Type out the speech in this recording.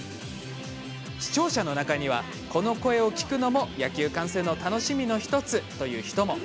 視聴者の中にはこの声を聞くのも野球観戦の楽しみの１つという人も。